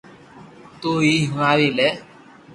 تو ھي ھڻاوي لي